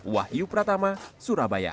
wahyu pratama surabaya